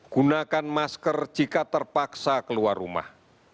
gunakan masker jika terpaksa keluar rumah